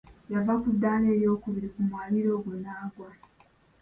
Yava ku ddaala eryokubiri ku mwaliiro ogwo n'agwa.